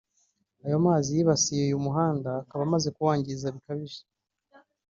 ayo mazi yibasiye uyu muhanda akaba amaze kuwangiza bikabije